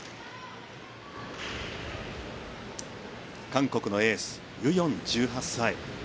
韓国のエースユ・ヨン、１８歳。